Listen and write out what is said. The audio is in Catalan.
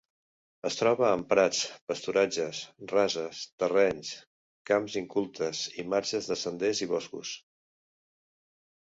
Es troba en prats, pasturatges, rases, terrenys, camps incultes i marges de senders i boscos.